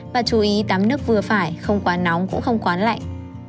và chú ý tắm nước vừa phải không quá nóng cũng không quán lạnh